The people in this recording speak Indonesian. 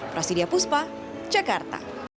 prasidia puspa jakarta